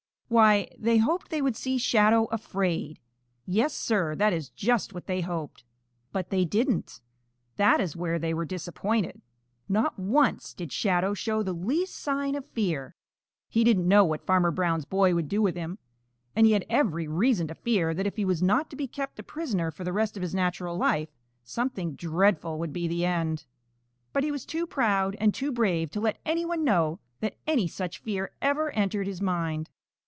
Why, they hoped they would see Shadow afraid. Yes, Sir, that is just what they hoped. But they didn't. That is where they were disappointed. Not once did Shadow show the least sign of fear. He didn't know what Farmer Brown's boy would do with him, and he had every reason to fear that if he was not to be kept a prisoner for the rest of his natural life, something dreadful would be the end. But he was too proud and too brave to let any one know that any such fear ever entered his mind.